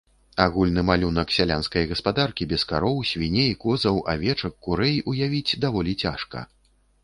Агульны малюнак сялянскай гаспадаркі без кароў, свіней, козаў, авечак, курэй уявіць даволі цяжка.